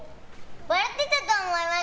笑ってたと思います。